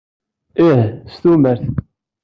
Ih, s tumert.